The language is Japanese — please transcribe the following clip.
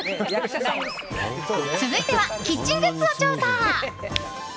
続いては、キッチングッズを調査。